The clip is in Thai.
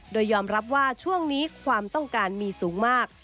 โดยยอมรับว่าช่วงนี้ความต้องการมีสูงมาก